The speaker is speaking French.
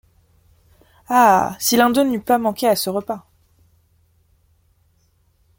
Ah! si l’un d’eux n’eût pas manqué à ce repas !